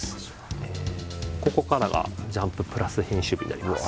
ここからが「ジャンプ＋」編集部になります。